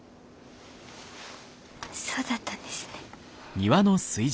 そうだったんですね。